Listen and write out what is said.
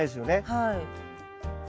はい。